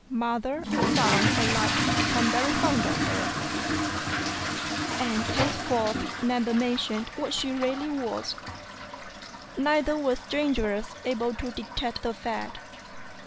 Mother and son alike became very fond of her, and henceforth never mentioned what she really was; neither were strangers able to detect the fact.